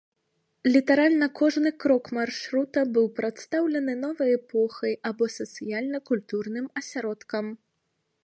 Літаральна кожны крок маршрута быў прадстаўлены новай эпохай або сацыяльна-культурным асяродкам.